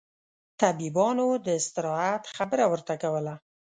طبيبانو داستراحت خبره ورته کوله.